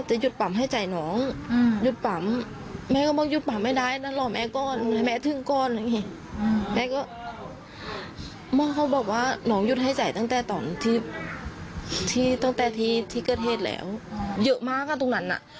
หยุดให้จ่ายตั้งแต่ตอนที่เกิดเฮสแล้วเยอะมากอ่ะตรงงั้นน่ะ